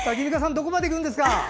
どこまでいくんですか！